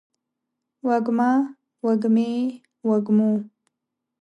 وږمه، وږمې ، وږمو